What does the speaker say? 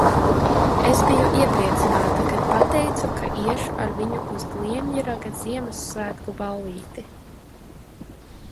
Es biju iepriecināta kad pateicu ka iešu ar viņu uz Gliemjraga Ziemassvētku ballīti?